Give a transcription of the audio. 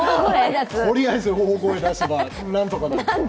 とりあえず大声を出せば何とかなる。